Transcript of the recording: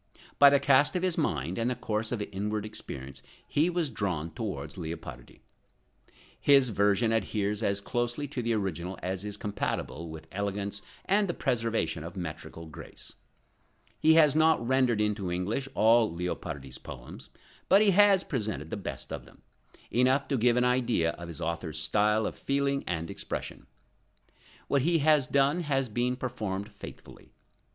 By the cast of his mind and the course of his inward experience he was drawn towards Leopardi. His version adheres as closely to the original as is compatible with elegance and the preservation of metrical grace. He has not rendered into English all Leopardi's poems, but he has presented the best of them, enough to give an idea of his author's style of feeling and expression. What he has done, has been performed faithfully.